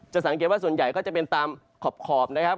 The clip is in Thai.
สังเกตว่าส่วนใหญ่ก็จะเป็นตามขอบนะครับ